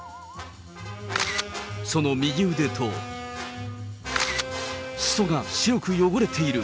その右腕とすそが白く汚れている。